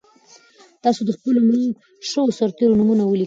تاسو د خپلو مړو شویو سرتېرو نومونه ولیکئ.